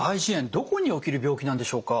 どこに起きる病気なんでしょうか？